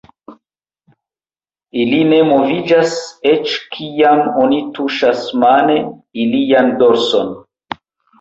Ili ne moviĝas eĉ kiam oni tuŝas mane ilian dorson.